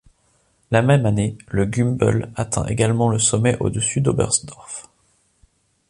La même année, le Gümbel atteint également le sommet au-dessus d'Oberstdorf.